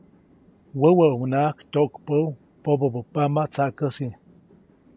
Wäwäʼunŋaʼajk tyoʼkpäʼu pobopama tsaʼkäsi.